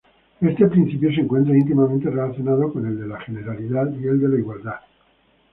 Este principio se encuentra íntimamente relacionado con el de generalidad y el de igualdad.